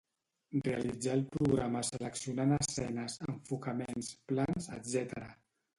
Realitzar el programa seleccionant escenes, enfocaments, plans, etc.